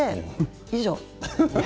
以上。